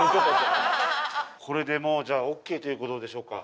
これでもうじゃあオーケーという事でしょうか？